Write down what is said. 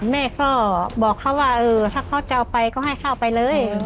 แม่ก็บอกเขาว่าเออถ้าเขาจะเอาไปก็ให้เข้าไปเลย